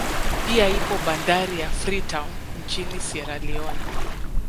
Pia ipo bandari ya Free town nchini Siera Lione